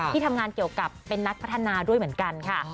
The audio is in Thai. ที่ทำงานเกี่ยวกับเป็นนักพัฒนาด้วยเหมือนกันค่ะ